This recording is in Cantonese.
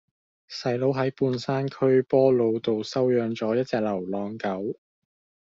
細佬喺半山區波老道收養左一隻流浪狗